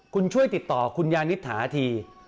คุณช่วยติดต่อคุณยานิษฐาที